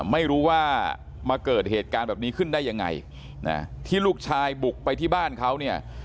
ไม่รู้ว่ามาเกิดเหตุการณ์แบบนี้ขึ้นได้ยังไงนะที่ลูกชายบุกไปที่บ้านเขาเนี่ย